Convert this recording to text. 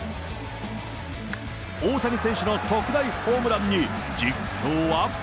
大谷選手の特大ホームランに、実況は。